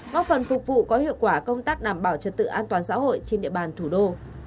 góp phần phục vụ có hiệu quả công tác đảm bảo trật tự an toàn xã hội trên địa bàn thủ đô